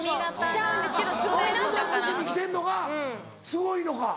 すごいのか。